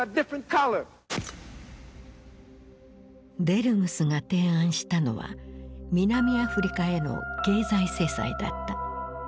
デルムスが提案したのは南アフリカへの経済制裁だった。